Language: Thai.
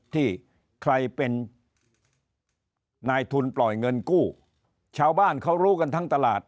ที่ใครเป็นนายทุนปล่อยเงินกู้ชาวบ้านเขารู้กันทั้งตลาด